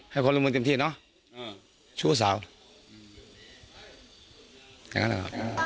ให้คนร่วมเตรียมที่เนอะอืมชูสาวแบบนั้นล่ะ